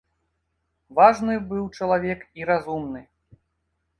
Важны быў чалавек і разумны.